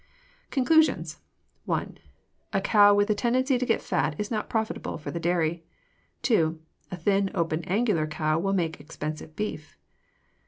=Conclusions.= (1) A cow with a tendency to get fat is not profitable for the dairy. (2) A thin, open, angular cow will make expensive beef.